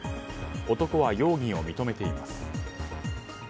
男は容疑を認めています。